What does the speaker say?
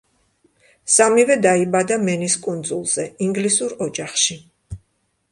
სამივე დაიბადა მენის კუნძულზე, ინგლისურ ოჯახში.